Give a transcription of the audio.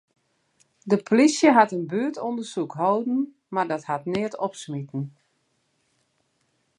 De polysje hat in buertûndersyk hâlden, mar dat hat neat opsmiten.